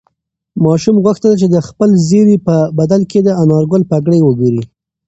ماشوم غوښتل چې د خپل زېري په بدل کې د انارګل پګړۍ وګوري.